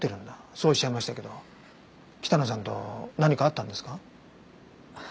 そうおっしゃいましたけど北野さんと何かあったんですか？